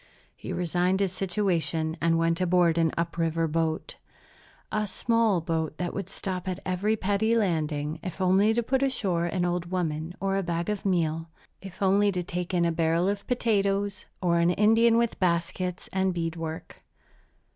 He resigned his situation and went aboard an up river boat, a small boat that would stop at every petty landing, if only to put ashore an old woman or a bag of meal, if only to take in a barrel of potatoes or an Indian with baskets and bead work.